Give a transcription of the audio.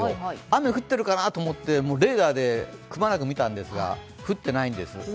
雨降ってるかなってレーダーでくまなく見たんですが、降ってないんです。